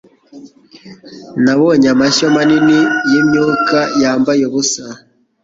Nabonye amashyo manini yimyuka yambaye ubusa